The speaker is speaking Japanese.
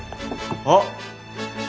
あっ！